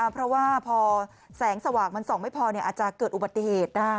เพราะว่าพอแสงสว่างมันส่องไม่พออาจจะเกิดอุบัติเหตุได้